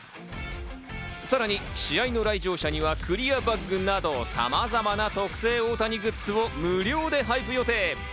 さらに試合の来場者にはクリアバッグなど、様々な特製・大谷グッズを無料で配布予定。